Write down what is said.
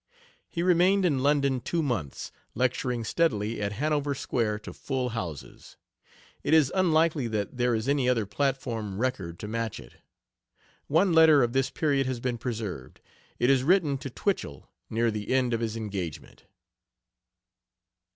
He remained in London two months, lecturing steadily at Hanover Square to full houses. It is unlikely that there is any other platform record to match it. One letter of this period has been preserved. It is written to Twichell, near the end of his engagement.